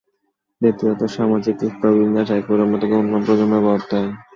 দ্বিতীয়ত, সামাজিক স্তরবিন্যাস এক প্রজন্ম থেকে অন্য প্রজন্মে বর্তায়।